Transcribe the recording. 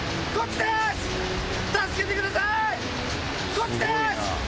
こっちです！